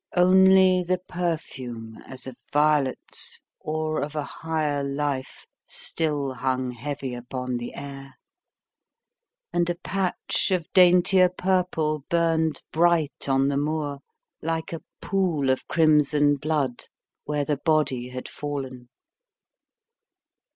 Only the perfume as of violets or of a higher life still hung heavy upon the air, and a patch of daintier purple burned bright on the moor, like a pool of crimson blood, where the body had fallen.